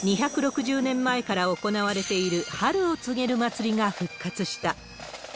２６０年前から行われている、春を告げる祭りが復活した。